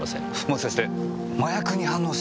もしかして麻薬に反応してた！？